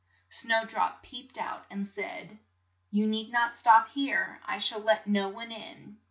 Snow drop peeped out and said, "You need not stop here, I shall let no one in."